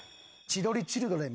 千鳥チルドレン？